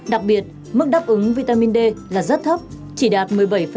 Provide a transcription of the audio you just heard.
đặc biệt mức đáp ứng vitamin d là rất thấp chỉ đạt một mươi bảy